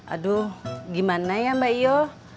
aduh gimana ya mbak io